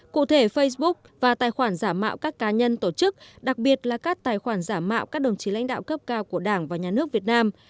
cụ thể facebook và tài khoản giả mạo các cá nhân tổ chức đặc biệt là các tài khoản giả mạo các đồng chí lãnh đạo cấp cao của đảng và nhà nước việt nam